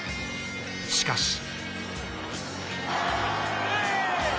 しかし。